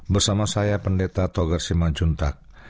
bersama saya pendeta togar sima juntag